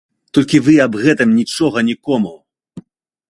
Толькі вы аб гэтым нічога нікому.